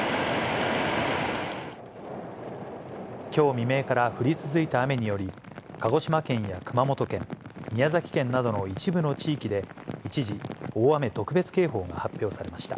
きょう未明から降り続いた雨により、鹿児島県や熊本県、宮崎県などの一部の地域で一時、大雨特別警報が発表されました。